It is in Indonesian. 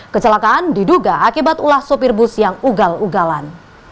kecelakaan diduga akibat ulah sopir bus yang ugal ugalan